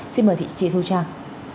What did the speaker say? xin mời thị trí thu trang